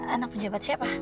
anak pejabat siapa